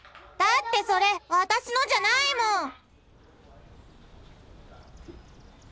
だってそれ私のじゃないもん。